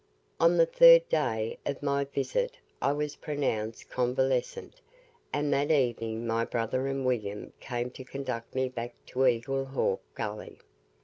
On the third day of my visit I was pronounced convalescent, and that evening my brother and William came to conduct me back to Eagle Hawk Gully.